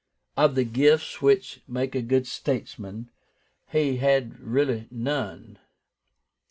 Of the gifts which make a good statesman, he had really none.